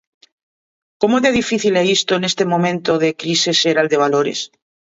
Como de difícil é isto neste momento de crise xeral de valores?